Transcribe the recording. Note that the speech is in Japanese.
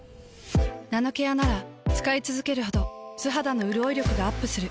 ナノケアなら使いつづけるほど素肌のうるおい力がアップする。